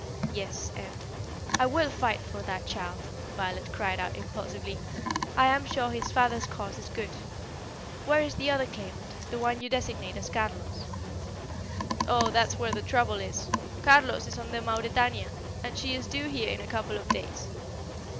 "Yes, and " "I will fight for that child!" Violet cried out impulsively. "I am sure his father's cause is good. Where is the other claimant the one you designate as Carlos?" "Oh, there's where the trouble is! Carlos is on the Mauretania, and she is due here in a couple of days.